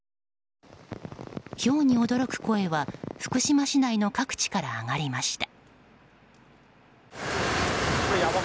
ひょうに驚く声は福島市内の各地から上がりました。